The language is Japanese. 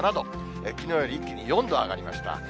きのうより一気に４度上がりました。